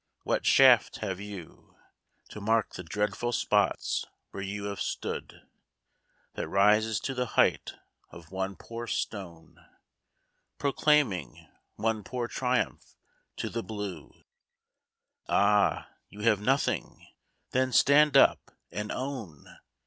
What shaft have you, To mark the dreadful spots where you have stood, That rises to the height of one poor stone Proclaiming one poor triumph to the blue ? Ah, you have nothing! Then stand up and own!